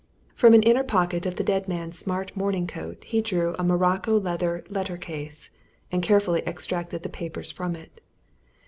From an inner pocket of the dead man's smart morning coat, he drew a morocco leather letter case, and carefully extracted the papers from it.